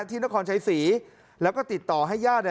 นครชัยศรีแล้วก็ติดต่อให้ญาติ